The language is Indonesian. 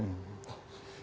kita sebelumnya melihat